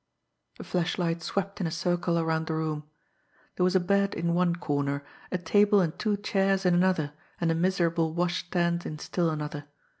The flashlight swept in a circle around the room. There was a bed in one corner, a table and two chairs in another, and a miserable washstand in still another.